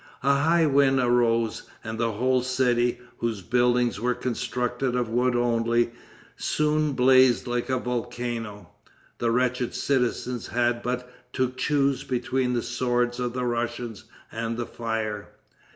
A high wind arose, and the whole city, whose buildings were constructed of wood only, soon blazed like a volcano. The wretched citizens had but to choose between the swords of the Russians and the fire.